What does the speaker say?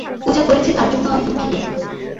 ও যা করেছে তার জন্য আমি দুঃখিত।